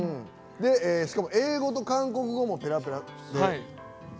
しかも英語と韓国語もぺらぺらで。